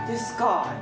はい。